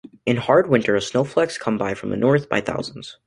In hard winters snowflakes come from the North by thousands.